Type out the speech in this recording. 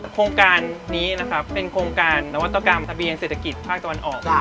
โครงการนี้นะครับเป็นโครงการนวัตกรรมทะเบียนเศรษฐกิจภาคตะวันออก